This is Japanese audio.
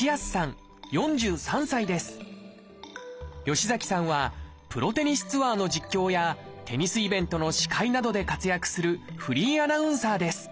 吉崎さんはプロテニスツアーの実況やテニスイベントの司会などで活躍するフリーアナウンサーです。